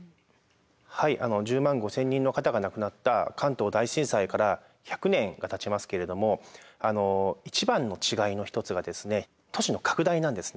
はい１０万５，０００人の方が亡くなった関東大震災から１００年がたちますけれども一番の違いの一つがですね都市の拡大なんですね。